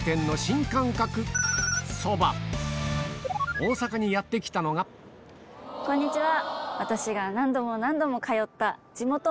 まずはやって来たのがこんにちは。